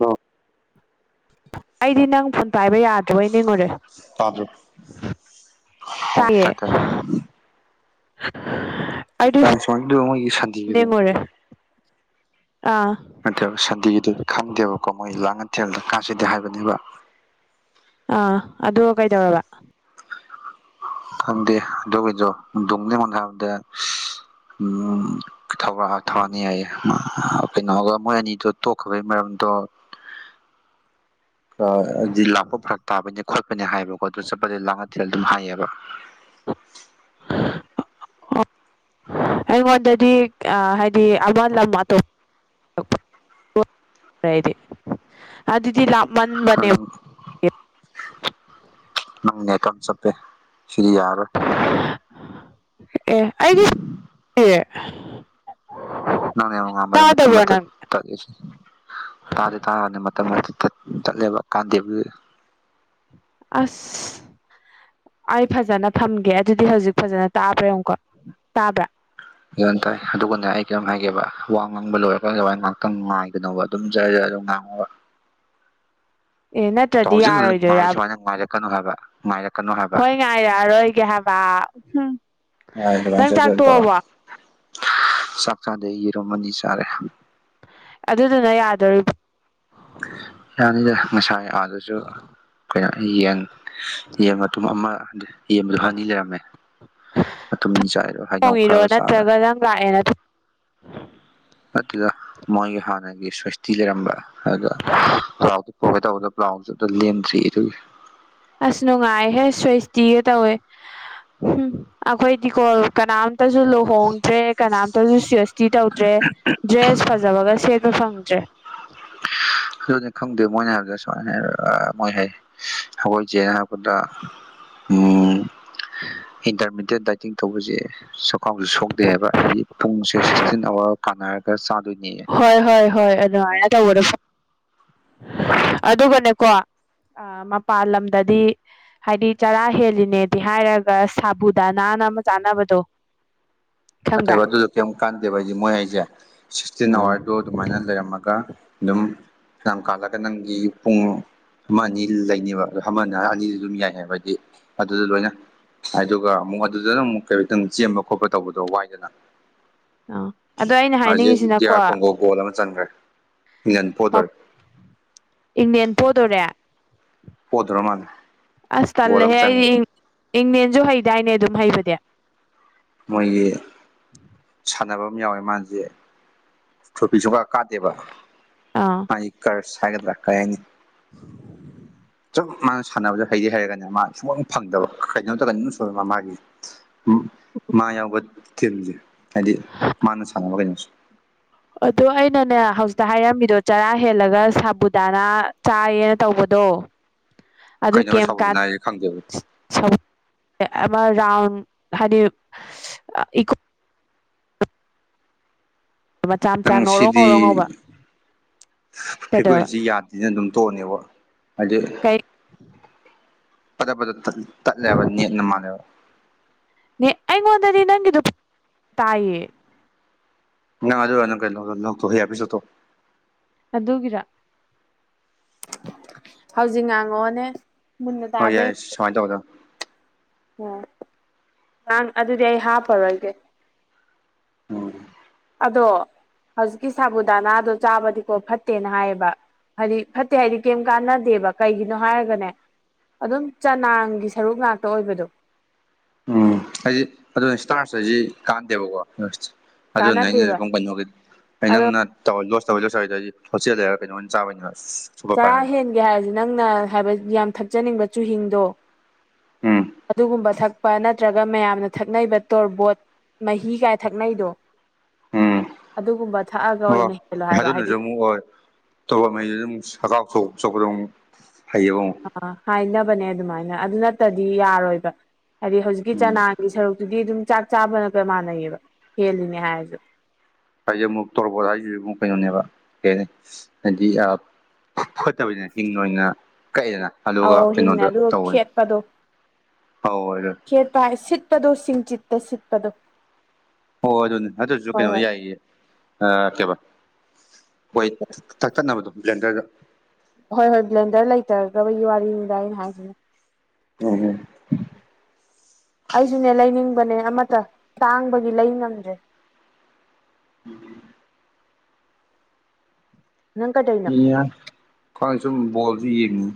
ꯂꫭ ꯑꯩꯗꯤ ꯅꯪ ꯐꯨꯣꯟ ꯄꯥꯏꯕ ꯌꯥꯗꯔꯕꯣꯏ ꯅꯤꯡꯉꯨꯔꯦ ꯇꯥꯗꯔꫭ ꯑꫭ ꯇꯥꯏꯌꯦ ꯇꯥꯏ ꯇꯥꯏ [unintelligible] ꯇꯥꯏꯟ ꯃꯣꯏꯒꯤ ꯁꯥꯟꯇꯤꯒꯤꯗꯣ ꯅꯤꯡꯉꯨꯔꯦ ꯑꯥ ꯅꯠꯇꯕ ꯁꯟꯗꯦꯒꯤꯗꫭ ꯈꯪꯗꯦꯕꯀꯣ ꯃꯣꯏ ꯂꯥꯡꯉꯊꯦꯜꯗ ꯀꯥꯁꯦꯗꯤ ꯍꯥꯏꯕꯅꯦꯕ ꯑꯥ ꯑꯗꫭ ꯀꯩꯗꯧꯔꯕ ꯈꯪꯗꯦ ꯑꯗꯨꯒꯤꯗꯣ ꯗꯨꯡꯅ ꯑꯩꯉꯣꯟꯗ ꯍꯥꯏꯕꯗ ꯎꯝ ꯊꯧꯋꯥ ꯊꯥꯅꯤ ꯍꯥꯏꯌꯦ ꯀꯩꯅꯣꯒ ꯃꯣꯏ ꯑꯅꯤꯗꫭ ꯇꯣꯛꯈꯤꯕꯩ ꯃꯔꯝꯗꯣ ꯑꯗꯨꯗꯤ ꯂꯥꯛꯄ ꯐꯔꯛ ꯇꯥꯕꯅꯦ ꯈꯣꯠꯄꯅꯦ ꯍꯥꯏꯕꯀꯣ ꯑꯗꯨ ꯆꯠꯄꯗꯤ ꯂꯥꯡꯉꯊꯦꯜꯗ ꯑꯗꯨꯝ ꯍꯥꯏꯌꯦꯕ ꯑꯩꯉꯣꯟꯗꯗꯤ ꯍꯥꯏꯗꯤ ꯑꯃ ꯂꯝ ꯑꯇꯣꯞ [unintelligible] ꯑꯗꯨꯗꯤ ꯂꯞꯃꯟꯕꯃꯅꯦ ꯅꯪ ꯅꯪ ꯀꯝ ꯆꯞꯄꯦ ꯁꯤꯔꯤ ꯌꯥꯔꫪꫭꯏ ꯑꯦ ꯑꯩꯒꯤ ꯅꯪꯅ ꯌꯥꯝ ꯉꯥꯥꯟꯕꯗ ꯃꯇꯠ ꯇꯥꯗꯕ꯭ꯔꯣ ꯃꯇꯠ ꯅꯪ ꯇꯠꯂꯤꯖꯦ ꯇꯗꯤ ꯇꯥꯔꯒꯅꯤ ꯃꯇꯠ ꯃꯇꯠ ꯇꯠꯂꯦꯕ ꯀꯥꯟꯗꯦ ꯑꯗꯨ ꯑꯁ ꯑꯩ ꯐꯖꯅ ꯊꯝꯒꯦ ꯑꯗꯨꯗꯤ ꯍꯧꯖꯤꯛ ꯐꯖꯅ ꯇꯥꯕ꯭ꯔꯥ ꯌꯦꯡꯉꯨꯀꫭ ꯇꯥꯕ꯭ꯔꯥ ꯒꯤꯌꯟ ꯇꯥꯏ ꯑꯗꯨꯒꯅꯦ ꯑꯩ ꯀꯩꯅꫭꯝ ꯍꯥꯏꯒꯦꯕ ꯋꯥ ꯉꯥꯡꯕ ꯂꯣꯏꯔꯀꯗ ꯑꯩꯗꯨꯃꯥꯏ ꯉꯥꯏꯍꯥꯛꯇꯪ ꯉꯥꯏꯒꯅꫭꯕ ꯑꯗꯨꯝ ꯖꯔ ꯖꯔꯏ ꯑꯗꯨꯝ ꯉꯥꯡꯉꯛꯑꫭꯕ ꯑꯦ ꯅꯠ ꯍꯧꯖꯤꯛ ꯉꯥꯏ ꯁꯨꯃꯥꯏꯅ ꯉꯥꯏꯔꯛꯀꯅꯨ ꯍꯥꯏꯕ ꯉꯥꯏꯔ ꯍꯣꯏ ꯉꯥꯏꯔꯛꯑꯔꯣꯏꯒꯦ ꯍꯥꯏꯕ ꯍꯝ ꯌꯥꯏ ꯑꯗꯨꯃꯥꯏꯅ ꯅꯪ ꯖꯔ ꯆꯥꯛ ꯖꯔ ꯇꯧꯔ ꯇꯣꯛꯑꯕꯣ ꯆꯥꯛ ꯆꯥꯗꯦ‌ꯑꯩ ꯌꯦꯔꯨꯝ ꯑꯅꯤ ꯆꯥꯔꯦ ꯑꯗꯨꯗꯨꯅ ꯌꯥꯗꯣꯔꯤꯕꫭ ꯌꯥꯅꯤꯗ ꯉꯁꯥꯏ ꯑꯥꯗꯨꯁꯨ ꯀꯩꯅꯣ ꯌꯦꯟ ꯌꯦꯟ ꯃꯇꯨꯝ ꯑꯃ ꯌꯦꯡꯕꯗꯣ ꯑꯅꯤ ꯂꯩꯔꯝꯃꯦ ꯃꯇꯨꯝ ꯆꯥꯏꯔꫭ ꯊꫭꯡꯉꯤꯔꯣ ꯅꯠꯇ꯭ꯔꯒ ꯅꯪ ꯂꯥꯛꯑꯦꯅ ꯅꯠꯇꯦꯗ ꯃꯣꯏꯒꯤ ꯍꯥꯟꯅꯒꯤ ꯁ꯭ꯋꯦꯁꯇꯤ ꯂꯩꯔꯝꯕ ꯑꯗ ꯄ꯭ꯂꯥꯎꯗ ꯄꯣꯛꯀꯦ ꯇꯧꯕꯗ ꯄꯕ꯭ꯂꯥꯎꯖꯨꯑꯃꯇ ꯂꯦꯝꯗ꯭ꯔꯦꯌꯦ ꯑꯗꯨꯒꯤ ꯑꯁ ꯅꯨꯡꯉꯥꯏꯍꯦ ꯁ꯭ꯋꯦꯁꯇꯤꯒ ꯇꯧꯋꯦ ꯍꯝ ꯑꯩꯈꯣꯏꯗꯤꯀꯣ ꯀꯅꯥꯝꯇꯁꯨ ꯂꯨꯍꯣꯡꯗ꯭ꯔꯦ ꯀꯅꯥꯝꯇꯁꯨ ꯁꯋꯦ ꯇꯤ ꯇꯧꯗ꯭ꯔꯦ ꯗ꯭ꯔꯦꯁ ꯐꯖꯕꯒ ꯁꯦꯠꯄ ꯐꯪꯗ꯭ꯔꯦ ꯑꯗꯨꯅꯤ ꯈꯪꯗꯦ ꯃꯣꯏꯅ ꯍꯥꯏꯕꯖꯦ ꯁꯨꯃꯥꯏꯅ ꯑꯥ ꯃꯣꯏ ꯍꯥꯏ ꯑꯩꯈꯣꯏꯖꯦꯅ ꯍꯥꯏꯕꯗ ꯎꯝ ꯏꯟꯇꯔꯃꯤꯗꯦꯠ ꯗꯥꯏꯇꯤꯡ ꯇꯧꯕꯖꯦ ꯆꯈꯥꯎꯁꯨ ꯁꯣꯛꯗꯦ ꯍꯥꯏꯕ ꯍꯥꯏꯗꯤ ꯄꯨꯡꯁꯦ ꯁꯤꯛꯁꯇꯤꯟ ꯑꯋꯥꯔ ꯀꯥꯟꯅꯔꯒ ꯆꯥꯗꯣꯏꯅꯦ ꯍꯣꯏ ꯍꯣꯏ ꯍꯣꯏ ꯑꯗꯨꯃꯥꯏꯅ ꯇꯧꯕꯗꯣ ꯐ ꯑꯗꯨꯒꯅꯦꯀꯣ ꯑ ꯃꯄꯥꯟ ꯂꯝꯗꯗꯤ ꯍꯥꯏꯗꯤ ꯆꯔꯥ ꯍꯦꯜꯂꯤꯅꯦꯗꯤ ꯍꯥꯏꯔꯒ ꯁꯥꯕꯨꯗ ꯅꯥꯟꯅ ꯑꯃ ꯆꯥꯅꯕꯗꯣ ꯈꯪꯕ꯭ꯔꯥ ꯑꯠꯇꯕ ꯑꯗꯨꯗꯣ ꯀꯩꯝꯛ ꯀꯥꯟꯗꯦꯕ ꯍꯥꯏꯗꯤ ꯃꯣꯏ ꯍꯥꯏꯁꯦ ꯁꯤꯛꯁꯇꯤꯟ ꯑꯥ ꯑꯋꯥꯔꯗꯨ ꯑꯗꯨꯃꯥꯏꯅ ꯂꯩꯔꯝꯃꯒ ꯑꯗꯨꯝ ꯌꯥꯝ ꯀꯥꯜꯂꯒ ꯅꯪꯒꯤ ꯄꯨꯡ ꯑꯃ ꯑꯅꯤ ꯂꯩꯅꯦꯕ ꯑ ꯑꯃꯅ ꯑꯅꯤꯗꯤ ꯑꯗꯨꯝ ꯌꯥꯏꯑꯕ ꯍꯥꯏꯗꯤ ꯑꯗꯨꯗ ꯂꯣꯏꯅ ꯑꯗꯨꯒ ꯑꯃꯨꯛ ꯑꯗꯨꯗꯅ ꯑꯃꯨꯛ ꯀꯇꯪ ꯆꯦꯟꯕ ꯈꯣꯠꯄ ꯇꯧꯕꯗꯣ ꯋꯥꯏꯗꯅ ꯑ ꯑꯗꯣ ꯑꯩꯅ ꯍꯧꯖꯤꯛ ꯗꯤ ꯍꯥꯏꯅꯤꯡꯉꯤꯁꯤꯅꯀꯣ ꯑꯥꯔ ꯀꯣꯡꯒꯣ ꯒꯣꯜ ꯑꯃ ꯆꯟꯈ꯭ꯔꯦ ꯃꯤꯂꯟ ꯐꯣꯇꯔꯦ ꯏꯪꯂꯪꯂꯦꯟ ꯄꯣꯗꯣꯔꯦ ꯄꯗ꯭ꯔꯃꯥꯟ ꯑꯁ ꯇꯜꯂꯍꯦ ꯑꯩꯗꯤ ꯏꯪꯅꯦꯦꯟꯁꯨ ꯍꯩꯗꯥꯏꯅꯦ ꯑꯗꯨꯝ ꯍꯩꯕꯗꯤ ꯃꯣꯏꯒꯤ ꯁꯥꯟꯅꯕ ꯑꯃ ꯌꯥꯎꯋꯦ ꯃꯥꯁꯦ ꯆꯣꯄꯤ ꯆꯄꯥ ꯀꯥꯗꯦꯕ ꯑꯥ ꯑꯩ ꯀ꯭ꯔꯁ ꯍꯥꯏꯒꯗ꯭ꯔꯥ ꯀꯩ ꯍꯥꯏꯅꯤ ꯎ ꯆꯞ ꯃꯥꯅ ꯁꯥꯟꯅꯕꯗ ꯍꯩꯗꯤ ꯍꯩꯔꯒꯅꯦ ꯃꯥ ꯁꯨꯐꯡ ꯐꯪꯗꯕ ꯀꯩꯩꯅꯣ ꯅꯠꯇ꯭ꯔꯒ ꯑꯗꯨꯝ ꯁꯣꯏꯕ ꯃꯥꯒꯤ ꯃꯥ ꯌꯥꯎꯕ ꯇꯤꯝꯁꯦ ꯍꯥꯏꯗꯤ ꯃꯥꯅ ꯁꯥꯟꯅꯕ ꯀꯩꯅꯣꯁꯦ ꯑꯗꯣ ꯑꯩꯅꯅꯦ ꯍꯧꯖꯤꯛꯇ ꯍꯥꯏꯔꯝꯃꯤꯗꯣ ꯆꯔꯥ ꯍꯦꯜꯂꯒ ꯁꯥꯕꯨꯗꯥꯅꯥ ꯆꯥꯔꯦꯅ ꯇꯧꯕꯗꯣ [inaudible] ꯑꯗꯨ ꯀꯔꯤ ꯀꯥꯟ ꯁꯥꯎꯕꯗꯅ ꯍꯥꯏꯁꯦ ꯈꯪꯗꯦꯕ ꯁ ꯑ ꯔꯥꯎꯟ ꯍꯥꯏꯗꯤ ꯏꯀꯣ ꯃꯆꯥ ꯃꯆꯥ ꯅꯪ ꯉꯧꯔꯣ ꯁꯤꯗꯤ ꯉꯧꯔꯣ ꯉꯧꯕ ꯀꯩꯗꯧꯔ ꯐ꯭ꯔꯤꯀ꯭ꯋꯦꯟꯁꯤ ꯌꯥꯗ ꯁꯤꯅ ꯑꯗꯨꯝ ꯇꯣꯛꯑꯅꯦꯕ ꯍꯥꯏꯗꯤ ꯀꯩ ꯐꯠꯇ ꯐꯗ ꯇꯠꯂꯦꯕ ꯅꯦꯠꯅ ꯃꯥꯜꯂꯦꯕ ꯅꯦ ꯑꯩꯉꯣꯟꯗꯗꯤ ꯅꯪꯒꯤꯗꯣ ꯇꯥꯏꯌꯦ ꯅ ꯑꯗꯨꯣꯏ ꯑꯗꯨ ꯀ ꯅ ꯍꯌꯦꯁꯣ ꯑꯗꯨꯒꯤꯔ ꯍꯧꯖꯤꯛ ꯉꯥꯡꯉꯛꯑꯣꯅꯦ ꯃꯨꯟꯅ ꯍꯣꯏ ꯇꯥꯕ꯭ꯔꯥ ꯌꯥꯏ ꯁꯉꯥꯏ ꯇꯧꯗꯣ ꯑꯣ ꯉꯥꯡ ꯑꯗꯨꯗꯤ ꯑꯩ ꯍꯥꯞꯄꯔꯣꯏꯒꯦ ꯑꯝ ꯑꯗꯣ ꯍꯧꯖꯤꯛꯀꯤ ꯁꯥꯕꯨꯨꯗꯥꯅꯥꯗꯣ ꯆꯥꯕꯗꯤꯀꯣ ꯐꯠꯇꯦꯅ ꯍꯥꯏꯌꯦꯕ ꯍꯥꯏꯗꯤ ꯐꯠꯇꯦ ꯍꯥꯏꯗꯤ ꯀꯩꯝ ꯀꯥꯟꯅꯗꯦꯕ ꯀꯩꯒꯤꯅꯣ ꯍꯥꯏꯔꯒꯅꯦ ꯑꯗꯨꯝ ꯆꯅꯥꯡꯒꯤ ꯁꯔꯨꯛ ꯉꯥꯛꯇ ꯑꯣꯏꯕꯗꯣ ꯎꯝ ꯍꯥꯏꯗꯤ ꯑꯗꯨ ꯏꯁꯇꯥꯔꯁ ꯍꯥꯏꯁꯤ ꯀꯥꯟꯗꯦꯕꯀꯣ ꯑꯗꯨꯅꯦ ꯑꯩꯅ ꯀꯥꯟꯅꯗꯦꯕ ꯀꯩꯅꯣꯒꯤ ꯑ ꯑꯗꯣ ꯅꯪꯅ ꯇꯧ ꯂꯣ ꯇꯧꯋ ꯂꯣꯗꯗꯤ ꯍꯣꯁꯦꯜ ꯂꯩꯔꯒ ꯀꯩꯅꯣ ꯑꯣꯏꯅ ꯆꯥꯕꯅꯤꯅ ꯆꯔꯥ ꯍꯦꯟꯒꯦ ꯍꯥꯏꯔꯁꯦ ꯅꯪꯅ ꯍꯥꯏꯕꯗꯤ ꯌꯥꯝ ꯊꯛꯆꯅꯤꯡꯕ ꯆꯨꯍꯤꯤꯡꯗꯣ ꯎꯝ ꯑꯗꯨꯒꯨꯝꯕ ꯊꯛꯄ ꯅꯠꯇ꯭ꯔꯒ ꯃꯌꯥꯝꯅ ꯊꯛꯅꯩꯔꯤꯕ ꯇꯣꯔꯕꯣꯠ ꯃꯍꯤ ꯀꯥꯏ ꯊꯛꯅꯩꯗꯣ ꯎꯝ ꯑꯗꯨꯒꯨꯝꯕ ꯊꯛꯑꯒ ꯑꯣꯏꯅ ꯍꯦꯜꯂꯣ ꯍꯥꯏꯕ ꯍꯥꯏꯗꯤ ꯑꯣꯍꯣꯏ ꯑꯧꯕꯉꯩꯗ ꯑꯗꯨꯝ ꯁꯒꯥꯎꯊꯣꯛ ꯆꯄꯗ ꯑꯗꯨ ꯍꯩꯌꯦꯕ ꯑꯃꯨꯛ ꯑ ꯍꯥꯏꯅꯕꯅꯦ ꯑꯗꯨꯃꯥꯏꯅ ꯑꯗꯨ ꯅꯠꯇꯗꯤ ꯌꯥꯔꯣꯏꯕ ꯍꯥꯏꯗꯤ ꯍꯧꯖꯤꯛꯀꯤ ꯎꯝ ꯆꯅꯥꯒꯤ ꯁꯔꯨꯛꯇꯨꯗꯤ ꯑꯗꯨꯝ ꯆꯥꯛ ꯆꯥꯕꯅꯒ ꯃꯥꯟꯅꯩꯌꯦꯕ ꯍꯦꯜꯂꯤꯅꯦ ꯍꯥꯏꯔꯁꯨ ꯍꯥꯏꯁꯦ ꯑꯃꯨꯛ ꯇꯣꯔꯕꯣꯠ ꯍꯥꯏꯁꯤꯁꯨ ꯑꯃꯨꯛ ꯀꯩꯅꯣꯅꯦꯕ ꯀꯩ ꯍꯥꯏꯅꯤ ꯍꯥꯏꯗꯤ ꯐꯣꯠꯇꯕꯅꯤꯅ ꯍꯤꯡ ꯑꯣꯏꯅꯅ ꯀꯛꯑꯦꯗꯅ ꯑꯗꯨꯒ ꯑꯧ ꯍꯤꯡꯅ ꯀꯩꯅꯣꯗ ꯑꯗꯨ ꯇꯧꯕꯅꯤ ꯈꯦꯠꯄꯗꯣ ꯍꯣꯏ ꯍꯣꯏ ꯈꯦꯠꯄ ꯍꯥꯏ ꯁꯤꯠ ꯄꯗꯣꯁꯤꯡ ꯆꯤꯠꯇꯁꯤ ꯄꯗꯣ ꯑꯣ ꯑꯗꯨꯅꯦ ꯑꯗꯨꯁꯨ ꯀꯩꯅꯣ ꯍꯣꯏ ꯌꯥꯏꯌꯦ ꯑꯥ ꯀꯩꯕ ꯍꯣꯏ ꯊꯛꯊꯠꯅꯕꯗꯣ ꯕ꯭ꯂꯦꯟꯗꯔꯗ ꯍꯣꯏ ꯍꯣꯏ ꯕ꯭ꯂꯦꯟꯗꯔ ꯂꯩꯖꯗꯕꯒꯤ ꯋꯥꯔꯤꯅꯤꯗ ꯑꯩꯅ ꯍꯥꯏꯖꯤꯅꯥ ꯎꯝ ꯍꯝ ꯑꯩꯁꯨꯅꯦ ꯂꯩꯅꯤꯡꯕꯅꯦ ꯑꯃꯇ ꯇꯥꯡꯕꯒꯤ ꯂꯩ ꯉꯝꯗ꯭ꯔꯦ [unintelligible] ꯅꯪ ꯀꯩꯗꯩꯅꯣ [unintelligible] ꯁꯨꯝ ꯕꯣꯜꯁꯨ ꯌꯦꯡꯉꯤ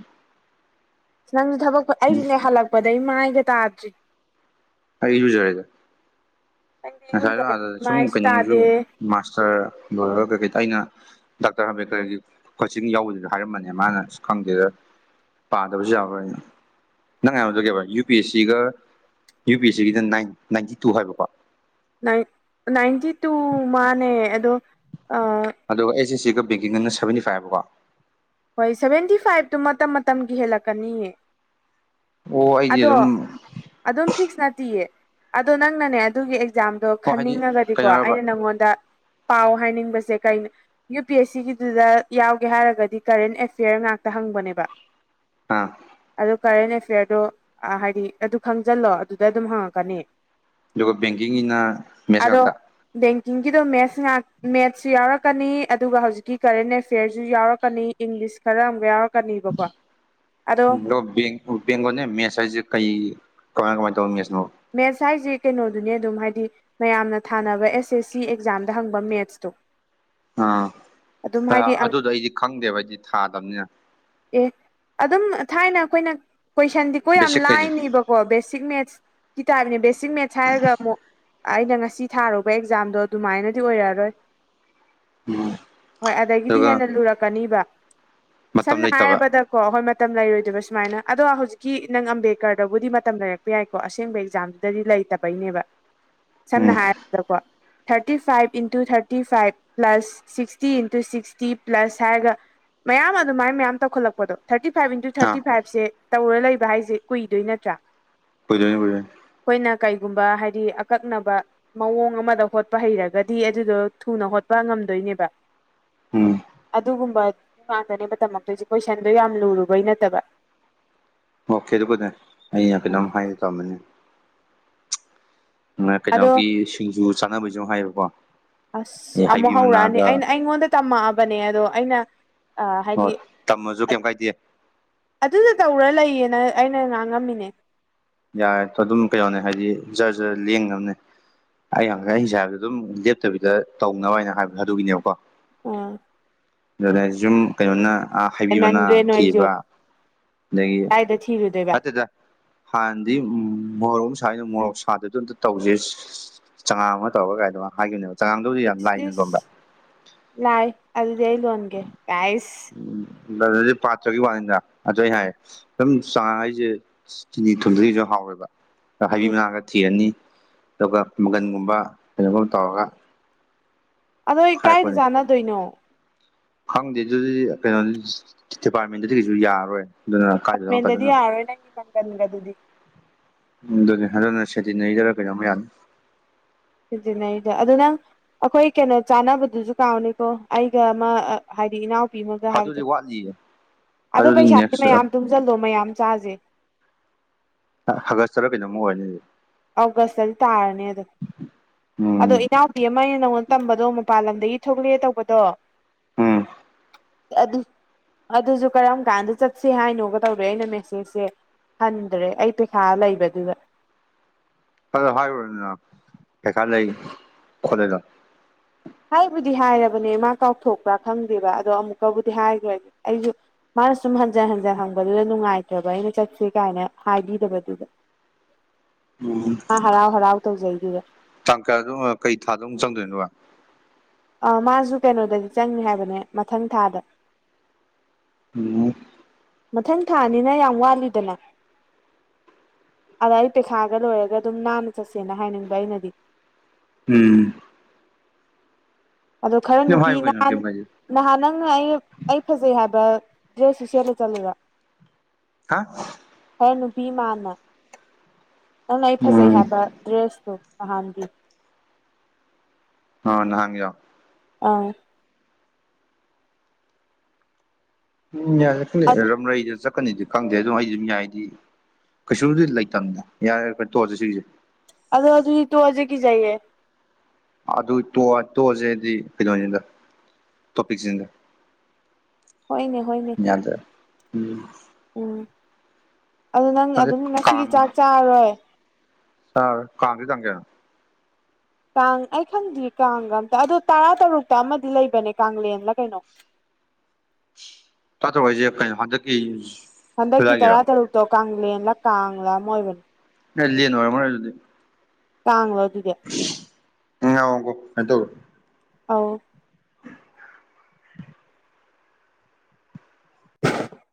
ꯅꯪꯁꯨ ꯊꯕꯛ ꯑꯩꯁꯅꯦ ꯍꯜꯂꯛꯄꯗꯩ ꯃꯥꯏꯒ ꯇꯥꯗ꯭ꯔꯤ ꯑꯩ ꯏꯔꯨꯖꯔꯦꯗ ꯅꯪꯗꯤ ꯉꯁꯥꯏꯗꯣ ꯏꯔꯨꯖꯔꯦ ꯑꯥꯗ ꯁꯨꯝ ꯃꯥꯏꯁꯨ ꯀꯩꯅꯣꯁꯨ ꯇꯥꯗꯦ ꯃꯥꯁꯇꯔ ꯂꯣꯏꯔꯒ ꯀꯩꯀꯩ ꯑꯩꯅ ꯗꯥꯛꯇꯔ ꯍꯥꯝꯕꯦꯀꯔꯒꯤ ꯀꯣꯏꯆꯤꯟ ꯌꯥꯎꯕꯗꯨꯗ ꯍꯥꯏꯔꯝꯕꯅꯦ ꯃꯥꯅ ꯈꯪꯗꯦꯗ ꯄꯥꯗꯕꯁꯨ ꯌꯥꯔꯔꯣꯏ ꯅꯪ ꯍꯥꯏꯕꯗꯣ ꯀꯩꯕꯥ ꯌꯨ ꯄꯤ ꯑꯦꯁ ꯁꯤꯒ ꯌꯨ ꯄꯤ ꯑꯦꯁ ꯁꯤꯒꯤꯗ ꯅꯥꯏ ꯅꯥꯏꯟꯇꯤ ꯇꯨ ꯍꯥꯏꯕꯀꯣ ꯅꯥꯏꯟꯇꯤ ꯇꯨ ꯃꯥꯅꯦ ꯑꯗꯣ ꯑꯗꯨꯒ ꯑꯦꯁ ꯑꯦꯁ ꯁꯤꯒ ꯕꯦꯡꯀꯤꯡꯒꯅ ꯁꯕꯦꯟꯇꯤ ꯐꯥꯏꯕꯀꯣ ꯍꯣꯏ ꯁꯦꯚꯦꯟꯇꯤ ꯐꯥꯏꯚꯇꯨ ꯃꯇꯝ ꯃꯇꯝꯒꯤ ꯍꯦꯜꯂꯛꯀꯅꯤꯌꯦ ꯑꯣ ꯑꯩꯗꯤ ꯑꯗꯣ ꯑꯗꯨꯝ ꯑꯗꯨꯝ ꯐꯤꯛꯁ ꯅꯠꯇꯤꯌꯦ ꯑꯗꯣ ꯅꯪꯅꯅꯦ ꯑꯗꯨꯒꯤ ꯑꯦꯛꯖꯥꯝ ꯑꯗꯣ ꯑꯣ ꯍꯥꯏꯗꯤ ꯈꯟꯅꯤꯡꯉꯒꯗꯤꯀꯣ ꯀꯩꯅꯣꯔꯕ ꯑꯩꯅ ꯅꯪꯉꯣꯟꯗ ꯄꯥꯎ ꯍꯥꯏꯅꯤꯡꯕꯁꯦ ꯀꯩꯅ ꯌꯨ ꯄꯤ ꯑꯦꯁ ꯁꯤꯒꯤꯗꯨꯗ ꯌꯥꯎꯒꯦ ꯍꯥꯏꯔꯒꯗꯤ ꯀꯔꯦꯟ ꯑꯦꯐꯤꯌꯔ ꯉꯥꯛꯇ ꯍꯪꯕꯅꯦꯕ ꯑꯥ ꯑꯗꯨ ꯀꯔꯦꯟ ꯑꯦꯐꯤꯌꯥꯔꯗꯣ ꯍꯥꯏꯗꯤ ꯑꯗꯨ ꯈꯪꯖꯜꯂꯣ ꯑꯗꯨꯗ ꯑꯗꯨꯝ ꯍꯪꯉꯛꯀꯅꯤ ꯑꯗꯨꯒ ꯕꯦꯡꯀꯤꯡꯒꯤꯅ ꯃꯦꯁ ꯑꯗꯣ ꯉꯥꯛꯇ ꯕꯦꯡꯀꯤꯡꯒꯤꯗꯣ ꯃꯦꯠꯁ ꯉꯥꯛ ꯃꯦꯠꯁꯁꯨ ꯌꯥꯎꯔꯛꯀꯅꯤ ꯑꯗꯨꯒ ꯍꯧꯖꯤꯛꯀꯤ ꯀꯔꯦꯟ ꯑꯦꯐꯤꯌꯔꯁꯨ ꯌꯥꯎꯔꯛꯀꯅꯤ ꯏꯪꯂꯤꯁ ꯈꯔ ꯑꯃꯨꯒ ꯌꯥꯎꯔꯛ ꯂꯣ ꯕꯦꯡ ꯕꯦꯡꯒꯣꯟꯅꯦ ꯃꯦꯁ ꯍꯥꯏꯁꯦ ꯀꯩ ꯀꯃꯥꯏ ꯀꯃꯥꯏꯟ ꯇꯧꯕ ꯃꯦꯁꯅꯣ ꯃꯦꯟꯁ ꯍꯥꯏꯁꯦ ꯀꯩꯅꯣꯗꯨꯅꯤ ꯑꯗꯨꯝ ꯍꯥꯏꯗꯤ ꯃꯌꯥꯝꯅ ꯊꯥꯅꯕ ꯑꯦꯁ ꯑꯦꯁ ꯁꯤ ꯑꯦꯛꯖꯥꯝꯗ ꯍꯪꯕ ꯃꯦꯠꯁꯇꯨ ꯑꯥ ꯑꯝ ꯑꯗꯨꯗꯣ ꯑꯩꯗꯤ ꯈꯪꯗꯦꯕ ꯍꯥꯏꯗꯤ ꯊꯥꯗꯝꯅꯤꯅ ꯑꯦ ꯑꯗꯨꯝ ꯊꯥꯏꯅ ꯑꯩꯈꯣꯏꯅ ꯀꯣꯏꯁꯟꯗꯤꯀꯣ ꯌꯥꯝ ꯕꯦꯁꯤꯛꯈꯩꯁꯦ ꯂꯥꯏꯅꯦꯕ ꯀꯣ ꯕꯦꯁꯤꯛ ꯃꯦꯠꯁꯀꯤ ꯇꯥꯏꯞꯅꯦ ꯕꯦꯁꯤꯛ ꯃꯦꯠꯁ ꯍꯥꯏꯔꯒ ꯑꯃꯨꯛ ꯑꯩꯅ ꯉꯁꯤ ꯊꯥꯔꯨꯕ ꯑꯦꯛꯖꯥꯝꯗꯣ ꯑꯗꯨꯃꯥꯏꯅꯗꯤ ꯑꯣꯏꯔꯛꯑꯔꯣꯏ ꯎꯝ ꯍꯣꯏ ꯑꯗꯒꯤꯗꯤ ꯑꯗꯨꯒ ꯍꯦꯟꯅ ꯂꯨꯔꯛꯀꯅꯤꯕ ꯃꯇꯝ ꯁꯝꯅ ꯂꯩꯇꯕ ꯍꯥꯏꯔꯕꯗ ꯀꯣ ꯍꯣꯏ ꯃꯇꯝ ꯂꯩꯔꯣꯏꯗꯕ ꯁꯨꯃꯥꯏꯅ ꯑꯗꯣ ꯍꯧꯖꯤꯛꯀꯤ ꯅꯪ ꯑꯝꯕꯦꯗꯀꯔꯗꯕꯨꯗꯤ ꯃꯇꯝ ꯂꯩꯔꯛꯄ ꯌꯥꯏꯀꯣ ꯑꯁꯦꯡꯕ ꯑꯦꯛꯖꯥꯝꯗꯨ ꯗꯗꯤ ꯂꯩꯇꯕꯩꯅꯦꯕ [inaudible] ꯁꯝꯅ ꯍꯥꯏꯔꯕꯗꯀꯣ thirty five into thirty five plus sixty into sixty plus ꯍꯥꯏꯔꯒ ꯃꯌꯥꯝ ꯑ ꯑꯗꯨꯃꯥꯏꯅ ꯃꯌꯥꯝ ꯇꯧꯈꯠꯂꯛꯄꯗꯣ ꯊꯥꯔꯇꯤ ꯐꯥꯏꯚ ꯏꯟꯇꯨ ꯑꯥ ꯊꯥꯔꯇꯤ ꯐꯥꯏꯚꯁꯦ ꯇꯧꯔ ꯂꯩꯕ ꯍꯥꯏꯁꯦ ꯀꯨꯏꯗꯣꯏ ꯅꯠꯇ꯭ꯔꯥ ꯀꯨꯏꯗꯣꯏꯅꯦ ꯀꯨꯏꯗꯣꯌꯅꯦ ꯑꯩꯈꯣꯏꯅ ꯀꯩꯒꯨꯝꯕ ꯍꯥꯏꯗꯤ ꯑꯀꯛꯅꯕ ꯃꯑꯣꯡ ꯑꯃꯗ ꯍꯣꯠꯄ ꯍꯩꯔꯒꯗꯤ ꯑꯗꯨꯗꯣ ꯊꯨꯅ ꯍꯣꯠꯄ ꯉꯝꯗꯣꯏꯅꯦꯕ ꯎꯝ ꯑꯗꯨꯒꯨꯝꯕꯗꯨ ꯉꯥꯛꯇꯅꯦꯕ ꯇꯝꯃꯛꯇꯣꯏꯁꯦ ꯀꯣꯏꯁꯟꯗꯣ ꯌꯥꯝ ꯂꯨꯔꯨꯕꯩ ꯅꯠꯇꯕ ꯑꯣꯀꯦ ꯑꯗꯨꯒꯅꯦ ꯑꯩ ꯀꯩꯅꫭꯝ ꯍꯥꯏꯒꯦ ꯇꯧꯔꯝꯕꯅꯤ ꯑꯗꯣ ꯀꯩꯅꯣꯒꯤ ꯁꯤꯡꯖꯨ ꯆꯥꯅꯕꯩꯁꯨ ꯍꯥꯏꯌꯦꯕꯀꯣ ꯑꯁ ꯑꯃꯨꯛ ꯍꯩꯕꯤ ꯍꯧꯔꯛꯑꯅꯤ ꯃꯅꯥꯒ ꯑꯩꯅ ꯑꯩꯉꯣꯟꯗ ꯇꯝꯃꯛꯑꯕꯅꯦ ꯑꯗꯣ ꯑꯩꯅ ꯑ ꯍꯥꯏꯗꯤ ꯑꯣ ꯇꯝꯃꯁꯨ ꯑꯠ ꯀꯩꯝ ꯀꯥꯏꯗꯦ ꯑꯗꯨꯗꯣ ꯇꯧꯔ ꯂꯩꯌꯦꯅ ꯑꯩꯅ ꯉꯥꯡꯉꯝꯃꯤꯅꯦ꯫ ꯌꯥꯔꯦ ꯑꯗꯨꯝ ꯀꯩꯅꯣꯅꯦ ꯍꯥꯏꯗꯤ ꯖꯔꯖꯔ ꯂꯦꯡꯅꯕꯅꯦ꯫ ꯑꯩꯅ ꯑꯩ ꯍꯧꯖꯤꯛ ꯍꯥꯏꯕꯗꫭ ꯑꯗꯨꯝ ꯂꯦꯞꯇꯕꯤꯗ ꯇꯧꯅꯕ ꯍꯥꯏꯅ ꯍꯥꯏꯕ ꯑꯗꯨꯒꯤꯅꯦꯕꯀꯣ꯫ ꯑꯣ ꯖꯨꯝ ꯀꯩꯅꯣꯅ ꯑꯥ ꯍꯩꯕꯤꯃꯅ ꯍꯦꯟꯃꯟꯈ꯭ꯔꯦ ꯅꯣꯏꯁꯨ ꯊꯤꯕ ꯑꯗꯒꯤ ꯀꯥꯏꯗ ꯊꯤꯔꯨꯗꯣꯏꯕ ꯑꯠꯇꯦꯗ ꯍꯥꯟꯅꯗꯤ ꯃꯣꯔꯣꯛ ꯁꯅ ꯃꯣꯔꯣꯛ ꯁꯥꯗꯗꯣ ꯑꯝꯇ ꯇꯧꯖꯩ ꯆꯉꯥꯡ ꯑꯃ ꯇꯧꯔꯒꯥꯒꯥꯏꯗꯩ ꯃꯥ ꯍꯥꯏꯈꯤꯝꯅꯦꯕ ꯏꯁ ꯏꯁ ꯂꯥꯏ ꯑꯜꯗꯤ ꯑꯩ ꯂꯣꯟꯒꯦ ꯀꯥꯏꯁ ꯄꯥꯠꯇ꯭ꯔꯒꯤ ꯋꯥꯅꯤꯗ ꯑꯗꯨ ꯑꯩ ꯍꯥꯏꯌꯦ ꯁꯨꯝ ꯆꯥꯡ ꯍꯥꯏꯁꯦ ꯆꯤꯅꯤ ꯊꯨꯗꯔꯤꯁꯨ ꯍꯥꯎꯋꯦꯕ ꯍꯩꯕꯤ ꯎꯝ ꯃꯅꯥ ꯈꯔꯥ ꯊꯤꯔꯅꯤ ꯑꯗꯨꯒ ꯃꯪꯒꯟꯒꯨꯝꯕ ꯀꯩꯅꯣꯒꯨꯝꯕ ꯇꯧꯔꯒ ꯑꯗꯣ ꯀꯥꯏꯗ ꯍꯥꯏꯔꯛꯄꯅꯦ ꯆꯥꯟꯅꯗꯣꯏꯅꯣ ꯈꯪꯗꯦ ꯑꯗꯨꯗꯤ ꯀꯩꯅꯣ ꯗꯤꯄꯥꯔꯠꯃꯦꯟꯗꯗꯤ ꯀꯩꯁꯨ ꯌꯥꯔꯔꯣꯏ ꯑꯗꯨꯅ ꯀꯥꯏꯗ ꯃꯦꯗꯗꯤ ꯌꯥꯔꯔꯣꯏ ꯅꯟꯒꯤ ꯖꯪꯒꯜ ꯒꯗꯨꯗꯤ ꯎ ꯑꯗꯨꯅꯦ ꯑꯗꯨꯟꯅ ꯁꯦꯇꯤꯟꯅꯩꯖꯔ ꯀꯩꯅꯣꯝꯃ ꯌꯥꯅꯤ꯫ ꯊꯤꯖꯤꯅꯩꯖ‌ꯦ ꯑꯗꯨ ꯅꯪ ꯑꯩꯈꯣꯏ ꯀꯩꯅꯣ ꯆꯥꯅꯕꯗꯨꯁꯨ ꯀꯥꯎꯅꯤꯀꯣ ꯑꯩꯒ ꯑꯃ ꯍꯥꯏꯗꯤ ꯏꯅꯥꯎ ꯄꯤꯃꯒ ꯑꯗꯨꯗꯤ ꯍꯥꯏꯕꯗꫭ ꯋꯥꯠꯂꯤꯌꯦ ꯑꯗꯣ ꯑꯗꯨꯗꯤ ꯄꯩꯁꯥꯗꯤ ꯅꯦꯛꯁ ꯃꯌꯥꯝ ꯇꯨꯡꯁꯤꯜꯂꯣ ꯃꯌꯥꯝ ꯆꯥꯁꯦ꯫ ꯑꯥꯒꯁ꯭ꯇ ꯇꯔ ꯀꯩꯅꯤꯝ ꯑꯣꯏꯔꯅꯤ ꯑꯗꯨꯗꯤ ꯑꯣꯒꯁꯇꯗꯤ ꯇꯥꯔꯅꯤ ꯑꯗꯣ ꯎꯝ ꯑꯩ ꯏꯅꯥꯎꯄꯤ ꯑꯃ ꯑꯩꯅ ꯅꯉꯣꯟꯗ ꯇꯝꯕꯗꯣ ꯃꯄꯥꯟ ꯂꯝꯗꯒꯤ ꯊꯣꯛꯂꯛꯑꯦ ꯇꯧꯕꯗꯣ ꯎꯝ ꯑꯗꯨ ꯑꯗꯨꯁꯨ ꯀꯔꯝ ꯀꯥꯟꯗ ꯆꯠꯁꯦ ꯍꯥꯏꯅꯣꯒ ꯇꯧꯗꯦ ꯑꯩꯅ ꯃꯦꯁꯦꯁꯁꯦ꯫ ꯍꯟꯗ꯭ꯔꯦ ꯑꯩ ꯄꯩꯁꯥ ꯂꯩꯕꯗꯨꯗ ꯑꯗꯣ ꯍꯥꯏꯔꯨꯔꫭꯗꯅ ꯄꯩꯈꯥ ꯂꯩ ꯈꯣꯠꯂꯦꯅ ꯍꯥꯏꯕꯨꯗꯤ ꯍꯥꯏꯔꯕꯅꯦ ꯃꯥ ꯀꯥꯎꯊꯣꯛꯄ꯭ꯔꯥ ꯈꯪꯗꯦꯕ ꯑꯗꯣ ꯑꯃꯨꯛꯀꯕꯨꯗꯤ ꯍꯥꯏꯈ꯭ꯔꯒꯦ ꯑꯩꯁꯨ ꯃꯥꯅ ꯁꯨꯝ ꯍꯟꯖꯟ ꯍꯟꯖꯤꯟ ꯍꯪꯕꯗꯨꯗ ꯅꯨꯡꯉꯥꯏꯇꯕ ꯑꯩꯅ ꯆꯠꯁꯤ ꯀꯥꯏꯅ ꯍꯥꯏꯕꯤꯗꯕꯗꯨꯗ [inaudible] ꯑ ꯍꯔꯥꯎ ꯍꯔꯥꯎ ꯇꯧꯖꯩꯗꯨꯗ ꯇꯥꯡ ꯑꯗꯨꯝ ꯀꯩ ꯊꯥꯗ ꯑꯃꯨꯛ ꯆꯪꯗꯣꯏꯅꯣꯕ ꯑ ꯃꯥꯁꯨ ꯀꯩꯅꯣꯗꯗꯤ ꯆꯪꯅꯦ ꯍꯥꯏꯕꯅꯦ ꯃꯊꯪ ꯊꯥꯗ ꯎꯝ ꯃꯊꯪ ꯊꯥꯅꯤꯅ ꯌꯥꯝ ꯋꯥꯠꯂꯤꯗꯅ ꯑꯗ ꯑꯩ ꯄꯩꯁꯥꯒ ꯂꯣꯏꯔꯒ ꯑꯗꯨꯝ ꯅꯥꯟꯅ ꯆꯠꯁꯦꯅ ꯍꯥꯏꯅꯤꯡꯕ ꯑꯩꯅꯗꯤ ꯎꯝ ꯑꯗꯣ ꯈꯔ ꯑꯗꯨꯝ ꯅꯨꯄꯤ ꯍꯥꯏꯌꯨ ꯀꯩꯅꯣ ꯅꯍꯥꯟ ꯀꯩꯝ ꯀꯥꯏꯗꯦ ꯅꯍꯥꯟ ꯅꯪꯅ ꯑꯩ ꯑꯩ ꯐꯖꯩ ꯍꯥꯏꯕ ꯗ꯭ꯔꯦꯁꯇꯨ ꯁꯦꯠꯂ ꯆꯠꯂꯕ ꯍꯥ ꯍꯣꯌ ꯅꯨꯄꯤ ꯃꯥꯅ ꯅꯪꯅ ꯑꯩ ꯐꯖꯩ ꯎꯝ ꯍꯥꯏꯕ ꯗ꯭ꯔꯦꯁꯇꯨ ꯅꯍꯥꯟꯒꯤ꯫ ꯅꯍꯥꯟ ꯍꯪꯉꯤꯒꯤꯗꯣ ꯑꯥ ꯎꯝ ꯌꯥꯔꯛ ꯀꯅꯤ ꯔꯝꯗꯩꯗ ꯖꯠ ꯀꯅꯗꯤ ꯈꯪꯗꯦ ꯑꯗꫭ ꯑꯩꯗꯤ ꯑꯗꯨꯝ ꯌꯥꯔꯦꯗꯤ ꯀꯩꯁꯨꯝꯗꯤ ꯂꯩꯇꯝꯅꯤꯗ ꯌꯥꯔꯦ ꯇꫭꯛꯑꯁꯤ ꯁꯤꯒꯤꯁꯦ꯫ ꯑꯗꯣ ꯑꯗꯨ ꯇꯨꯖꯤꯛꯀꯤꯖꯏꯌꯦ꯫ ꯑꯗꯨ ꯇꯣꯛꯑꯁꯦꯗꯤ ꯀꯩꯅꫭꯅꯤꯗ ꯀꯞꯤꯖꯤꯟꯗ ꯍꯣꯏꯅꯦ ꯍꯣꯏꯅꯦ ꯌꯥꯗ ꯎꯝ ꯎꯝ ꯑꯗꯨ ꯅꯪ ꯈꯪꯗꯦ ꯑꯗꯨꯝ ꯉꯁꯤꯒꯤ ꯀꯥꯡ ꯆꯥꯛ ꯆꯥꯔꯔꯣꯏ ꯆꯥꯔꯣꯏ ꯀꯥꯡꯗ ꯇꯥꯡ ꯀꯌꯥꯅꫭ ꯀꯥꯡ ꯑꯩ ꯈꯪꯗ꯭ꯔꯤ ꯀꯥꯡꯒ ꯑꯝꯇ ꯑꯗꯨ ꯇꯔꯥ ꯇꯔꯨꯛꯇ ꯑꯃꯗꯤ ꯂꯩꯕꯅꯦ ꯀꯥꯡꯂꯦꯟꯂ ꯀꯩꯅꯣ ꯆꯥꯠꯇ꯭ꯔꯣ ꯍꯥꯏꯁꯦ ꯀꯩꯅꯣ ꯍꯟꯗꯛꯀꯤ ꯍꯟꯗꯛꯀꯤ ꯖꯨꯂꯥꯏꯒꯤꯔꯣ ꯇꯔꯥ ꯇꯔꯨꯛꯇꯣ ꯀꯪꯂꯦꯟꯂ ꯀꯪꯂꯥ ꯑꯃ ꯑꯣꯏꯕꯅꯤ ꯀꯥꯡꯂ‌ꯦꯟ ꯑꫭꯏꯔꯝ ꯃꯔꫭꯏ ꯑꯗꯨꯗꯤ ꯀꯥꯡꯂꯣ ꯑꯗꯨꯗꯤ ꯉꯥꯎꯕ ꯑꯗꯨ ꯑꯧ